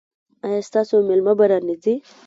ایا ستاسو میلمه به را نه ځي؟